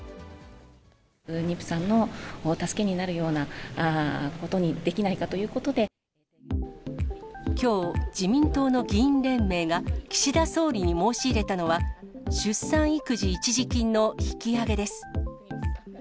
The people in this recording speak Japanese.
妊婦さんの助けになるようなきょう、自民党の議員連盟が、岸田総理に申し入れたのは、出産育児一時金の引き上げです。